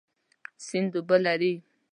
سیند اوبه لري.